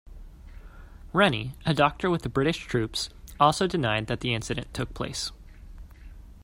Rennie, a doctor with the British troops, also denied that the incident took place.